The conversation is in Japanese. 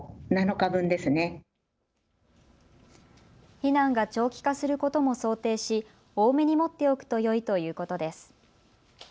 避難が長期化することも想定し多めに持っておくとよいということです。